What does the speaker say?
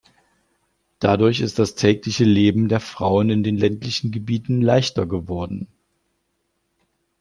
Dadurch ist das tägliche Leben der Frauen in den ländlichen Gebieten leichter geworden.